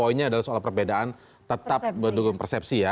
poinnya adalah soal perbedaan tetap berdukung persepsi